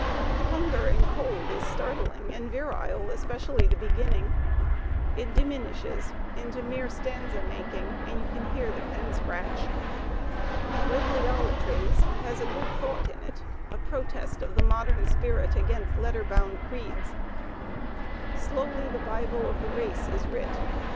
"Hunger and Cold" is startling and virile, especially the beginning; it diminishes into mere stanza making and you can hear the pen scratch. '^Bibliolatres" has a good thought in it, a protest of the modem spirit against letter bound creeds. Slowly the Bible of the race is writ.